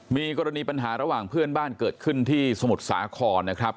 มีกรณีปัญหาระหว่างเพื่อนบ้านเกิดขึ้นที่สมุทรสาครนะครับ